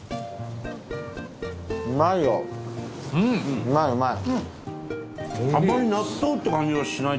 塙：うまい、うまい。